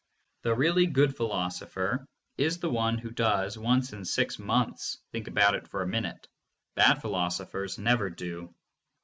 The really good philosopher is the one who does once in six months think about it for a minute. Bad philosophers never do.